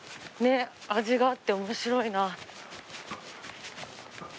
味があって面白いな。